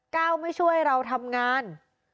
ก้าวไม่ช่วยเราทำงาน